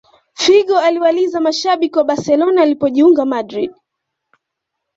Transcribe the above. Figo aliwaliza mashabiki wa barcelona alipojiunga madrid